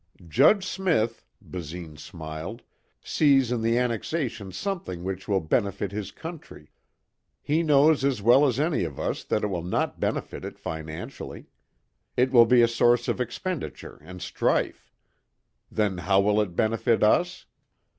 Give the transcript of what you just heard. "Judge Smith," Basine smiled, "sees in the annexation something which will benefit his country. He knows as well as any of us that it will not benefit it financially. It will be a source of expenditure and strife. Then how will it benefit us?